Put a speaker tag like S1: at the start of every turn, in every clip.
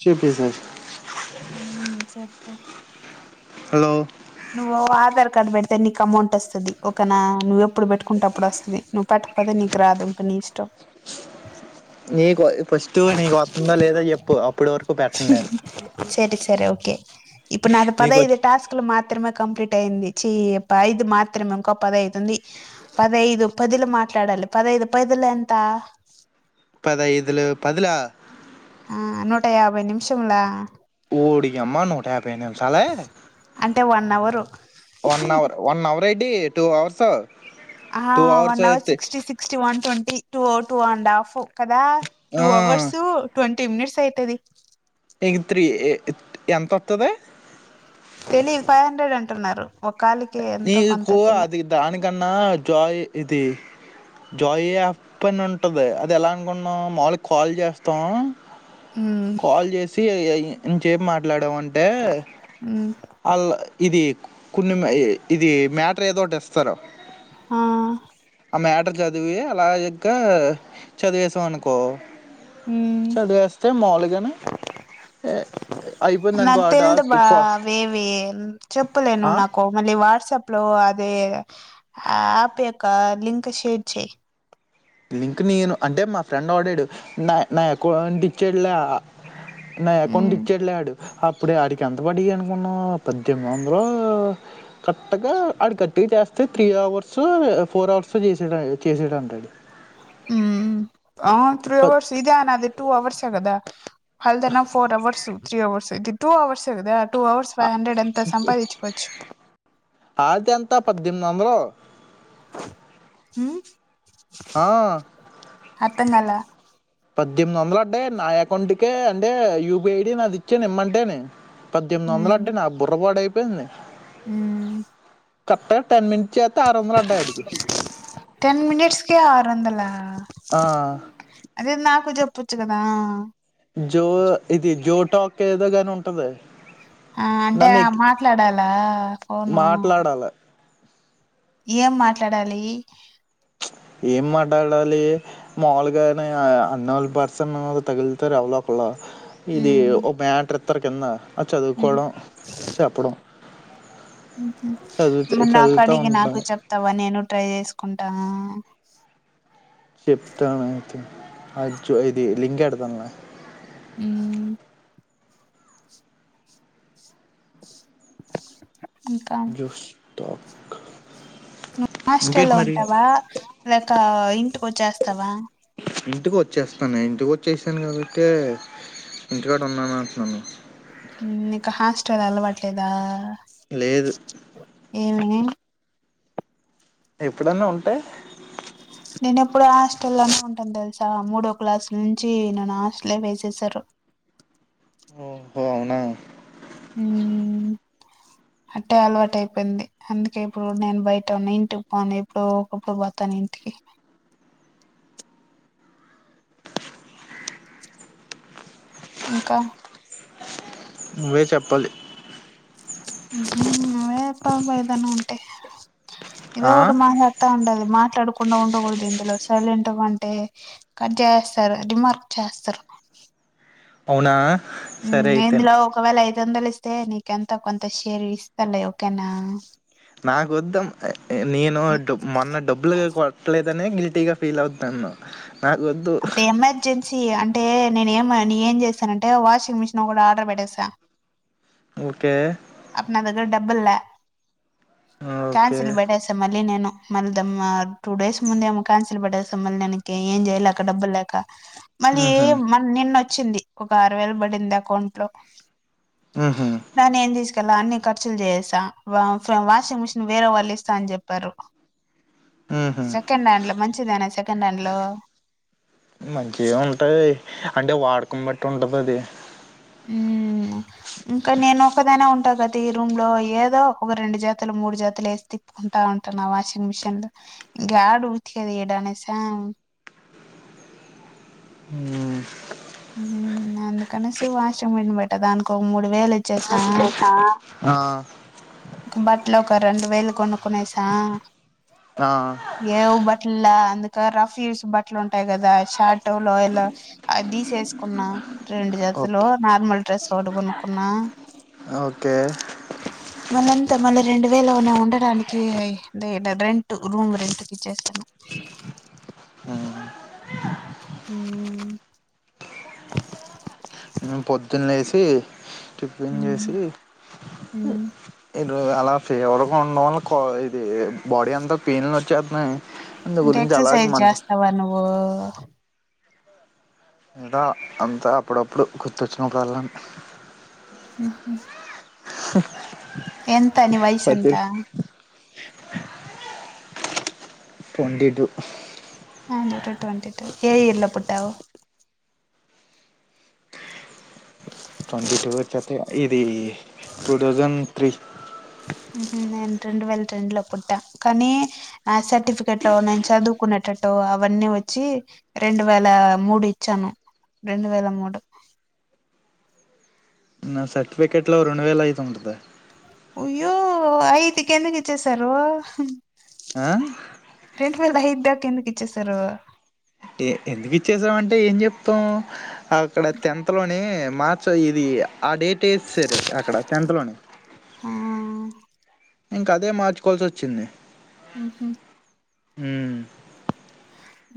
S1: చుప్ జస్
S2: ఊమ్ చెప్పు
S1: కా
S2: నువ్వు ఆధార్ కార్డు పెడితే నీకు అమౌంట్ వస్తది. ఒకే నా నువ్వెప్పుడు పెట్టుకుంటె అప్పుడు వస్తది. నువ్వు పెట్టకపోతే, నీకు రాదు ఇంక నీ ఇష్టం.
S1: నీకు ఫస్ట్ నీకు వత్తుందా లేదా చెప్పు అప్పుటి వరకు పెట్టన్ నేను
S2: సరే సరే ఓకే ఇప్పుడు నాది
S1: నీకు
S2: పదైదు టాస్కులు మాత్రమే కంప్లీట్ అయింది. చే ఐదు మాత్రమే ఇంకో పదైతుంది. పదహైదు పదులు మాట్లాడాలి. పదహైదు పదులు ఎంత
S1: పదైదులు పదులా
S2: ఆ నూట యాభై నిమిషముల
S1: ఓడి అమ్మ నూట యాభై నిమిసాలే
S2: అన్నవరు
S1: వన్ అవర్ వన్ అవర్ రెడ్డీ టూ అవర్స్
S2: ఆ
S1: టూ అవర్స్
S2: వన్ అవర్
S1: అయితే
S2: sixty sixty one twenty two two and half కదా
S1: ఆ,
S2: టూ అవర్స్ ట్వంట మినిట్స్ అయితది
S1: ఇ త్రీ ఎంత వత్తది
S2: తెలీదు ఫైవ్ హండ్రెడ్ అంటున్నారు వక్కాలకి ఎంత కొంత తిలా
S1: కన్నా జాయి ఇది జాయి యాప్ అని ఉంటది అది ఎలా అనుకుంన్నాం మాములు గా కాల్ చేస్తాం
S2: ఉమ్
S1: కాల్ చేసి ఆ యి ఇంచ్ ఎం మాట్లాడం వన్ టే
S2: ఉమ్
S1: ఆళ్ళ ఇది కొన్ని మ ఇది మ్యాటర్ ఏదోటి ఇస్తారు
S2: ఆ
S1: ఆ మ్యాటర్ చదివి అలా ఇగా చదివేసాం అనుకో
S2: హు
S1: చదివేస్తే మాములుగానే అయిపోయింది అనుకో
S2: నాకు
S1: ఆ
S2: తెల్ద
S1: టాస్క్
S2: బా
S1: కో
S2: వేవీ చెప్పలే
S1: ఆ
S2: నువ్ నాకు మళ్ళీ వాట్సాప్ ప్ లో అదే ఆప్ యొక్క లింక్ షేర్ చెయ్
S1: లింక్ నేను అంటే మా ఫ్రెండ్ ఆడాడు నా నా అకౌంట్ ఇచ్చేట్లా న అకౌంట్
S2: ఉమ్
S1: ఇచ్చాడు లే ఆడు అప్పుడే ఆడికి ఎంత పడ్డాయ్ అనుకున్నా పద్దెనిమిది వందలు కరట్గా ఆడి కర్ట్గా చేస్తే త్రీ అవర్స్ ఫోర్ అవర్స్ హో చేసే చేసడంటడు
S2: హు ఆ త్రీ
S1: ప
S2: అవర్స్ ఇదే అ నా అది టూ అవర్స్ ఏ గదా అల్దే నా ఫోర్ అవర్స్ త్రీ అవర్స్ ఇది టూ అవర్స్ ఏ కద టూ
S1: ఆ ఆతే ఎంత పద్దెనిమిది వందలు
S2: హు
S1: ఆ
S2: అర్ధం కాలే
S1: పద్దెనిమిది వందలు అడ్డాేయ్ నా అకౌంట్కి అంటే యూబి ఐడి నాది ఇచ్చను ఇమ్మంటేనే పద్దెనిమిది వందల అంటే నా బుర్ర పాడై పోయింది
S2: హు
S1: కర్ట్ గా టెన్ మిన్
S2: టెన్ మీనిట్స్ కే ఆరొందల్ లా
S1: ఆ,
S2: అదే నాకు జెప్ ప్పోచ్చుగాదా
S1: జో ఇది జో టాక్ ఏదో గాని ఉంటది
S2: ఆ అంటే మాట్లాడాలా ఫోను
S1: మాట్లాడాలి
S2: ఏం మాట్లాడాలి
S1: ఏం మాట్లాడాలి మాములుగానే ఉంకౌన్ పర్సన్ తగులుతారు ఎవళ్ళో ఒకళ్ళు ఇది
S2: హ్మ్
S1: ఒ బ్యాటర్ టర్ కింద చదువుకోవడం చెప్పడం
S2: ఊహ
S1: చదువుతా
S2: మరి నాకు
S1: చదువుతూ
S2: అడిగి
S1: ఉంటాం
S2: నాకు చెప్తావా నేను ట్రై చేసుకుంటా
S1: అద్ జు ఇది లింక్ ఎడతానులే
S2: ఉ
S1: జొష్ టాప్
S2: నువ్వు
S1: ఇంకేంటి
S2: హాస్టల్లో
S1: మరి
S2: ఉంటావా లేకా ఇంటికి వచ్చేస్తావా
S1: ఇంటికి వచ్చేస్తాను ఇంటికి వచ్చేసాను కాబట్టే ఇంటికాడ ఉన్నాను అంటున్నాను
S2: నీక హాస్టల్ అలవట్లేదా
S1: లేదు
S2: ఏమని
S1: ఎప్పుడన్నా ఉంటే
S2: నేను ఎప్పుడు హాస్టల్ లోనే ఉంటాను తెలుసా మూడో క్లాసుల నుంచి నన్ను హాస్టలే వేసేసారు
S1: ఓహో అవునా
S2: ఊ అట్టే అలవాటు అయిపోయింది అందుకే ఇప్పుడు నేను బయట ఉన్న ఇంటికి పోను ఎప్పుడు ఒకప్పుడు పోతాను ఇంటికి ఇంకా
S1: నువ్వే చెప్పాలి
S2: నువ్వే ఎప్పాలి బా ఏదన్నా ఉంటే ఏదో
S1: ఆ
S2: ఒటి మాట్లాడుతా ఉండాలి మాట్లాడుకుండా ఉండకూడదు ఇందులో సైలెం గా వుంటే కట్ చేస్తారు రిమార్క్ చేస్తారు
S1: అవునా సరే అయితేనే
S2: ఇందులో ఒకవేళ అయి దందలిస్తే నీకి ఎంతో కొంత షేర్ ఇస్తలె ఓకేనా
S1: నాకు వొద్ద మ్ నేను మొన్న డబ్బులు కొట్టలేదు నే గిల్టీ గా ఫీల్ అవుతున్నాను నాకు వద్దు
S2: అప్పుడు ఎమర్జెన్సీ అంటే నేను ఏమ ని ఏం చేసానంటే వాషింగ్ మిషన్ ఒకటి ఆర్డర్ పెట్టేసా
S1: ఓకే
S2: అప్ నా దగ్గర డబ్బుల్లా
S1: ఓకే
S2: క్యాన్సిల్ బెడ్డేస మళ్ళీ నేను మళ్ళీ దమ్మ టూ డేస్ ముందే ఏమో క్యాన్సిల్ బె‌ట్టేస మళ్ళీ నెనిక ఏం జేయలేక డబ్బులు లేక మళ్ళీ
S1: ఊహు
S2: మ నిన్న వచ్చింది ఒక ఆరు వేలు బడింది అకౌంట్ లో
S1: ఊహు
S2: దాన్ని ఏం దీస్ ఎలా అన్ని ఖర్చులు చేసేస వాషింగ్ మిషిన్ వేరే వాళ్ళు ఇస్తా అని జెప్పారు
S1: ఊహు
S2: మంచిదేనా సెకండ్ హ్యాండ్ లో
S1: మంచిగా ఉంటాయ్ అంటే వాడు కన్ బట్టి ఉంటది అది
S2: మ్మ్ ఇంకా నేను ఒకదాన్నే ఉంటా కదా ఈ రూమ్ లో ఏదో ఒక రెండు జతులు మూడు జతులు వేసి తిప్పుకుంటా ఉంటాను వాషింగ్ మిషన్ లో ఇంగా యాడ్ ఉతికేది ఇడనేసి ఏడానేస
S1: మ్మ్
S2: మ్మ్ అందుకనేసి వాషింగ్ మీన్ బెట్ట దానికి ఒక మూడు వేలు ఇచ్
S1: ఆ
S2: బట్టలో ఒక రెండు వేలు కొనుక్ నేస
S1: ఆ
S2: ఏఊబట్ లే అందు రఫ్యూస్ బట్టలు ఉంటాయి కదా షార్ట్ టో లో ఇలా అది తీసేసుకున్న రెండు జతులు
S1: ఓకే
S2: నార్మల్ డ్రెస్ ఒకటి కొనుకున్నా
S1: ఓకే
S2: ఇంత మలి రెండు వేలునే ఉండడానికి రెంట్ రూమ్ రెంటిక్చేస్తాన్నం
S1: ఆ
S2: మ్మ్
S1: మ్మ్ పొద్దున్నే స్ కి టిఫిన్ చేసి
S2: మ్మ్ మ్మ్
S1: ఎల్ అలా ఫేవర్గా ఉండడం వల్ల ఇది బాడీ అంత పెయిన్లు వచ్చేత్తున్నాయి
S2: అంటే ఎక్సర్సైజ్ చేస్తావా నువ్వు ఆ
S1: లేదా అంతా అప్పుడప్పుడు గుర్తొచ్చినప్పుడల్లన్
S2: మ్మ్ హు ఎంత ని
S1: ప్రతి
S2: వయసెంత
S1: తొంటి టూ
S2: నాది గూడ తొంటి టూ ఏ ఇయర్ లో పుట్టావ్
S1: తొంటి టూ వచ్చాకే ఇది టూ థౌజన్ త్రీ
S2: మ్మ్ నేను రెండు వేల రెండు లో పుట్టా కానీ నా సర్టిఫికెట్ లో నేను చదువుకునేటట్ అవన్నీ వచ్చి రెండు వేల మూడు ఇచ్చాను రెండు వేల మూడు
S1: నా సర్టిఫికెట్ లో రెండు వేల అయిదు ఉంటది
S2: ఒయ్యో ఐదు కిందకి ఇచ్చేసారు
S1: ఆ
S2: ల్ ఐద్దాక ఎందుకు ఇచ్చేసారు
S1: ఎ ఎందుకు ఇచ్చేసామంటే ఏం చెప్తాం అక్కడ టెన్త్ లోనే మార్చ ఇది ఆ డేట్ వేసేసారు అక్కడ టెన్త్లోనే
S2: ఆ
S1: ఇంకా అదే మార్చుకోవాల్సి వచ్చింది
S2: మ్మ్ హ్మ్
S1: మ్మ్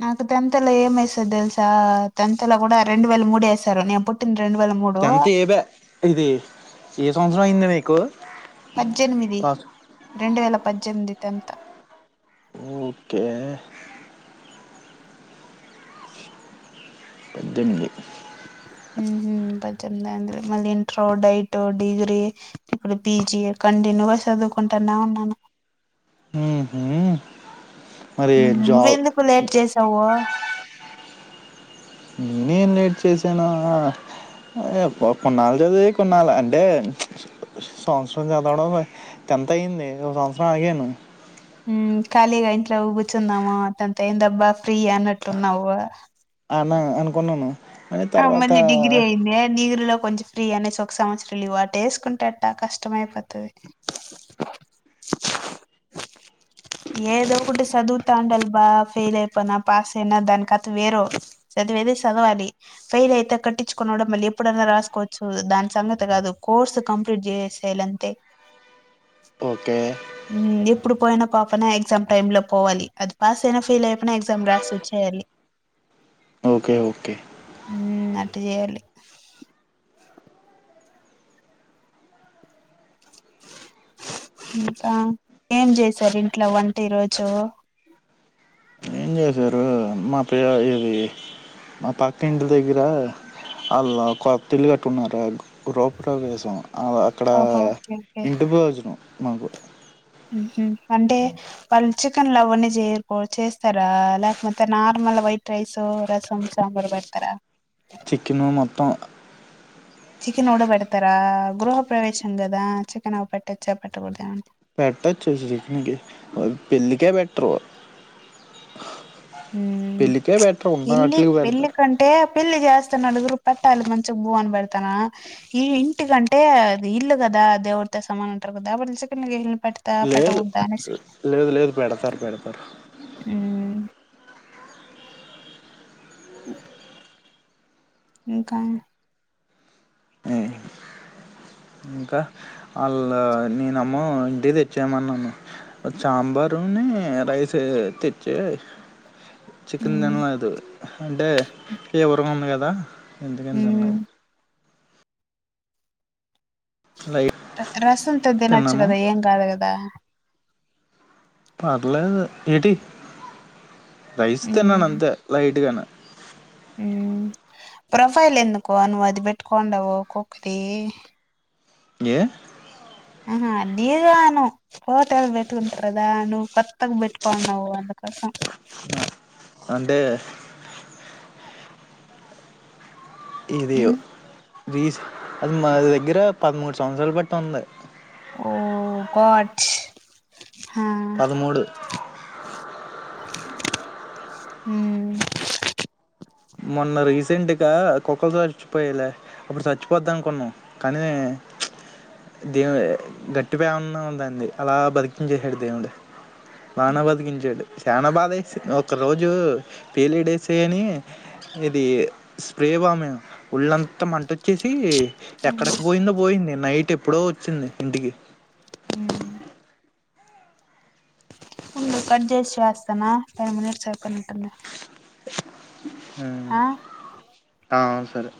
S2: నాకు తెంత్ లో ఏమేసారు తెలుసా తెంత్ లో కూడా రెండు వేల మూడేసారు నేను పుట్టిన తే
S1: టెన్త్ ఏబ్యా ఇది ఏ సంవస్ ఏమైంది మీకు
S2: పజ్జెనిమిది
S1: పాస్?
S2: రెండు వేల పజ్జెన్మిది. Tenth
S1: okay. పజ్జెనిమిది
S2: మ్మ్ హు పజ్జెనిమిది మళ్ళీ ఇంట్ర్ డైట్ డిగ్రీ ఇప్పుడు పీజీ కంటిన్యూగా చదువుకుంటాన్న ఉన్నాను.
S1: ఉమ్మ్ హూ
S2: నువ్వెందుకు లేట్ చేసావూ
S1: నేనేం లేట్ చేసాను. కొన్నాళ్ళ చదివి కొన్నాళ్ అంటే సంవత్సరం చదవడం టెన్త్ అయ్యింది ఒక సంవత్సరం ఆగాను.
S2: మ్మ్ ఖాళీగా ఇంట్లో కూర్చుందామా టెన్త్ అయ్యిందబ్బా ఫ్రీ అన్నట్టున్నావు.
S1: అన్నా అనుకోన్నాను.
S2: ఆ మళ్ళీ డిగ్రీ అయింది. డిగ్రీ లో కొంచెం ఫ్రీ అనేసి ఒక సంవత్సరం లీవ్ అటేసుకుంటేట్ట కష్టమ అయిపోతది. ఏదో ఒకటి చదువుతాండాలబ్బా ఫెయిల్ అయిపోయిన పాస్ అయినా దానికి కత వేరు చదివయితె చదవాలి. ఫెయిల్ అయితే కట్టించుకునడం మళ్ళీ ఎప్పుడైనా రాసుకోవచ్చు దాని సంగతి కాదు కోర్సు కంప్లీట్ చేసేయాలంతే
S1: ఓకే
S2: మ్మ్ ఎప్పుడు పోయినా పాపన ఎగ్జామ్ టైమ్ లో పోవాలి అది పాస్ అయినా ఫెయిల్ అయిపోయినా ఎగ్జామ్ రాసి వచ్చేయాలి.
S1: Okay okay.
S2: టీ చేయాలి. ఇంకా ఏం చేసారు ఇంట్లో వంటీరోజు
S1: ఏం చేసారు మా ప ఇది మా పక్క ఇంటి దగ్గర వాళ్ళు కొత్తిల్లు కట్టున్నారు గృహ ప్రవేశం. అవ్ అక్కడ
S2: ఓహో ఓకే ఓకే
S1: ఇంటి భోజనం మాకు
S2: ఉమ్మ్ హూ అంటే వాళ్ళు చికెన్ లవన్నీ చేయర్ చేస్తారా లేకపోతే నార్మల్ వైట్ రైస్ రసం సాంబారు పెడతరా
S1: చికెను మొత్తం
S2: చికెన్ ఒకటే పేడతారా గృహ ప్రవేశం కదా చికెనవి పెట్టచ్చ పేట్టకుడదా
S1: పెట్టచ్చు చికెన్కిపెళ్ళికే పెట్ర్
S2: ఉమ్మ్ ఇల్లి
S1: వాటికి పెడతారు
S2: పేళ్లికంటే పెళ్లి చేస్తే నలుగురు పట్టాలు మంచిగా బూ అని పెడతానా ఈ ఇంటికంటే అది ఇల్లు కదా దేవుడితో సమానం అంటారు కదా లేకపోతే చికెన్లు చేస్
S1: లేదు లేదు లేదు పెడతారు పెడతారు.
S2: మ్మ్ ఉ ఇంకా
S1: ఇంకా వాళ్ళ నేనమ్మో ఇంటి తెచ్చేయ్మన్నాను సాంబారుని రైసే తెచ్చే చికెన్
S2: మ్మ్
S1: తిన్లేదు. అంటే ఇవరం ఉంది కదా ఎందుకంతన్నావ్
S2: మ్మ్
S1: లైట్
S2: రసంతో తినచ్చు
S1: తిన్నాను
S2: కదా ఏం కాదు కదా
S1: పర్లే ఏటి రైస్ తిన్నాను
S2: మ్మ్
S1: అంతే లైట్గాన
S2: ఉ ప్రొఫైల్ ఎందుకు నువ్వు అది పెట్టుకోండవు కుక్కది
S1: ఏ
S2: ఆహా దీగాను హోటల్ బేట్కుంటారుగదా నువు కోత్తగ బెట్టుకకోనౌ అందకోసం
S1: నా అంటే ఇది
S2: ఉమ్
S1: రీస అది మా దగ్గర పదమూడు సంవత్సరాలు బట్టి ఉంది
S2: ఓ గాడ్ హా
S1: పదమూడు
S2: హ్మ
S1: వతింటికా కుక్కలుతో చచ్చిపోయలే అప్పుడు చచ్చిపోద్ద అనుకున్నాం కానీ దేవు గట్టి పేమన్నా ఉందండి అలా బతికించసాడు దేవుడు నాన బతికించాడు చానాబాధ వేసి ఒక రోజు పేలిడేస్ అని ఇది స్ప్రే బామ్ వోళ్ళంతా మంట వచ్చేసి
S2: ఉమ్
S1: ఎక్కడక్క పోయిందో పోయింది నైట్ ఎప్పుడో వచ్చింది ఇంటికి
S2: ఉండు కట్ చేసి చేస్తానా టెన్ మినిట్స్ అయిపోయినట్టు ఉంది ఆ
S1: ఆ సరే